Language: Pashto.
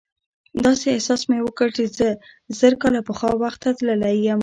داسې احساس مې وکړ چې زه زر کاله پخوا وخت ته تللی یم.